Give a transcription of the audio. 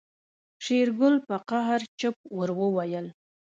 شېرګل په قهر چپ ور وويل.